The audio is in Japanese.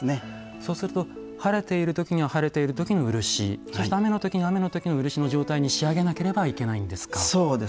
そうすると晴れている時には晴れている時の漆そして雨の時には雨の時の漆の状態に仕上げなければいけないんですか。